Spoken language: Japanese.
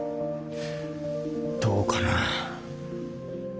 どうかな。